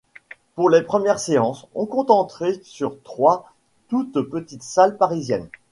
Pour les premières séances, on compte entrées sur trois toutes petites salles parisiennes.